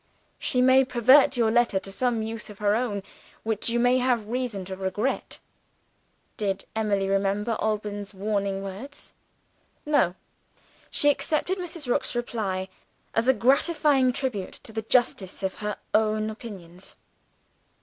"She may pervert your letter to some use of her own, which you may have reason to regret." Did Emily remember Alban's warning words? No: she accepted Mrs. Rook's reply as a gratifying tribute to the justice of her own opinions.